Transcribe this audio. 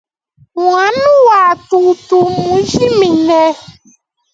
Muhanu wa tutu mnujimine.